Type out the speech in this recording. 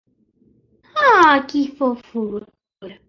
Leia dois livros de grande interesse